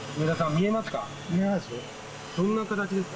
見えますよ。